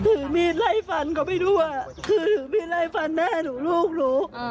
ถือมีดไล่ฟันเขาไม่รู้อ่ะคือถือมีดไล่ฟันแม่หนูลูกหนู